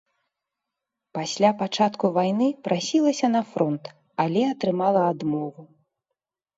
Пасля пачатку вайны прасілася на фронт, але атрымала адмову.